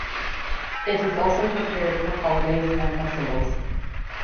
It is also prepared for holidays and festivals.